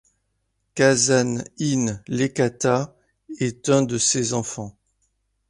Kazan'in Iekata est un de ses enfants.